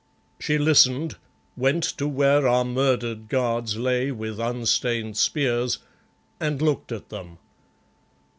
She listened, went to where our murdered guards lay with unstained spears, and looked at them.